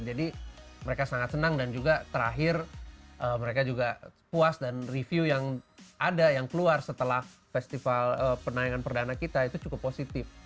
jadi mereka sangat senang dan juga terakhir mereka juga puas dan review yang ada yang keluar setelah festival penayangan perdana kita itu cukup positif